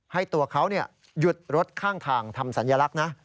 ให้ตัวเขาหยุดรถข้างทางทำสัญลักษณ์นะ